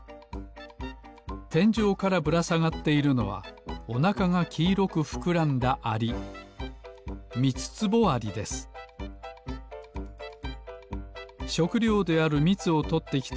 てんじょうからぶらさがっているのはおなかがきいろくふくらんだアリしょくりょうであるみつをとってきた